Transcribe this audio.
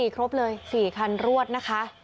ครบเลย๔คันรวดนะคะ